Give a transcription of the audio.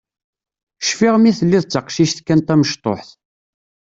Cfiɣ mi telliḍ d taqcict kan tamecṭuḥt.